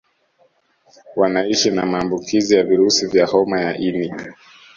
Wanaishi na maambukizi ya virusi vya homa ya ini